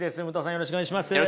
よろしくお願いします。